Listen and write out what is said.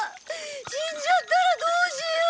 死んじゃったらどうしよう！